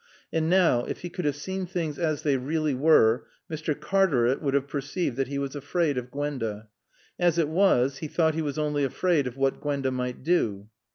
And now, if he could have seen things as they really were, Mr. Cartaret would have perceived that he was afraid of Gwenda. As it was, he thought he was only afraid of what Gwenda might do.